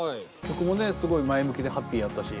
曲もねすごい前向きでハッピーやったし。